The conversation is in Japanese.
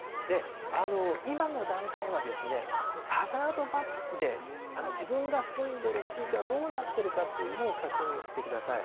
今の段階は、ハザードマップで自分が住んでいる地域はどうなってるかっていうのを確認してください。